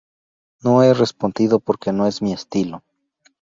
No he respondido porque no es mi estilo.